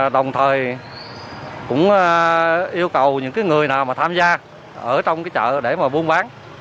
đồng thời cũng yêu cầu những người nào mà tham gia ở trong cái chợ để mà buôn bán